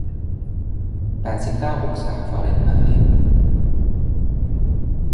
แปดสิบเก้าองศาฟาเรนไฮน์